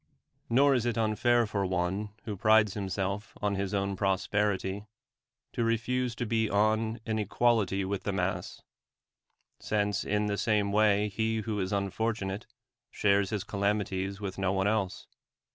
Nor is it unfair fur one who prides himself on his own prosperity, to refuse to be on an equality with the mass ; since in the same way he who is unfortunate shares his calamities with no one else.